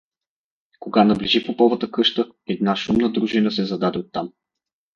Кога наближи поповата къща, една шумна дружина се зададе оттам.